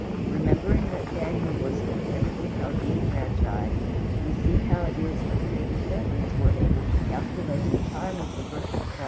Remembering that Daniel was the head of the Chaldean magi, we see how it is that their descendants were able to calculate the time of the birth of Christ and come to worship him.